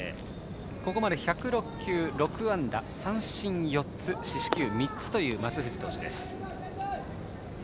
ここまで１０６球６安打、三振４つ四死球３つという松藤投手。